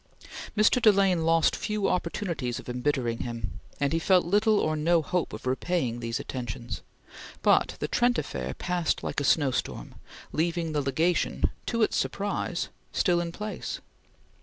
Mr. Delane lost few opportunities of embittering him, and he felt little or no hope of repaying these attentions; but the Trent Affair passed like a snowstorm, leaving the Legation, to its surprise, still in place.